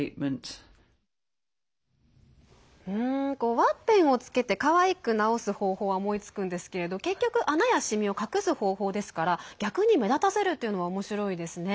ワッペンを付けてかわいく直す方法は思いつくんですけれど結局、穴や染みを隠す方法ですから逆に目立たせるというのはおもしろいですね。